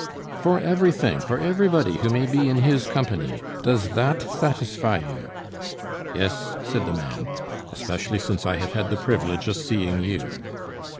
"For everything; for everybody who may be in his company. Does that satisfy you?" "Yes," said the man; "especially since I have had the privilege of seeing you."